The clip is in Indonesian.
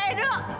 tante dulu pak